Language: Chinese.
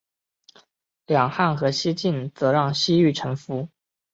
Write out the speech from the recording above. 两汉和西晋则让西域臣服。